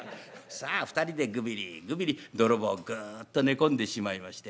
さあ２人でぐびりぐびり泥棒ぐっと寝込んでしまいまして。